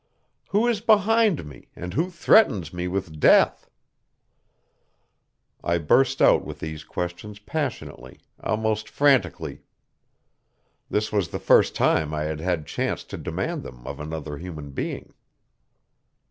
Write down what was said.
Who is behind me, and who threatens me with death?" I burst out with these questions passionately, almost frantically. This was the first time I had had chance to demand them of another human being.